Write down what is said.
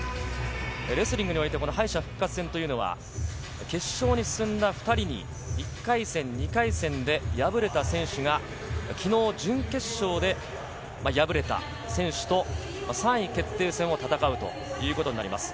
レスリングのおいて敗者復活戦というのは決勝に進んだ２人に１回戦、２回戦で敗れた選手は昨日、準決勝で敗れた選手と３位決定戦を戦うということになります。